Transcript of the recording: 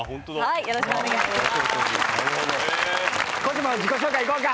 よろしくお願いします。